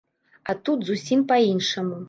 А тут зусім па-іншаму.